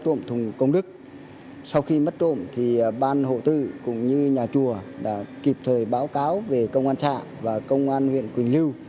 trộm thùng công đức sau khi mất trộm thì ban hộ tư cũng như nhà chùa đã kịp thời báo cáo về công an xã và công an huyện quỳnh lưu